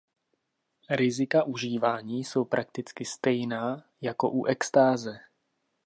Rizika užívání jsou prakticky stejná jako u extáze.